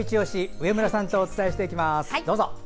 上村さんとお伝えします。